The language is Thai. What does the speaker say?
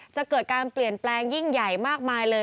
จะเกิดการเปลี่ยนแปลงยิ่งใหญ่มากมายเลย